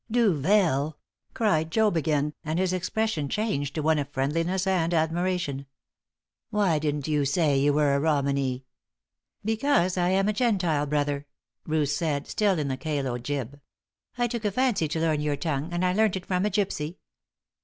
"Duvel!" cried Job again, and his expression changed to one of friendliness and admiration. "Why didn't you say you were a Romany?" "Because I am a Gentile, brother," Ruth said, still in the calo jib. "I took a fancy to learn your tongue, and I learnt it from a gypsy.